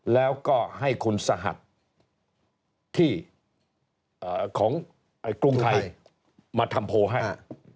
แล้วก็ให้คุณสหัสที่ของกรุงไทยมาทำโพลให้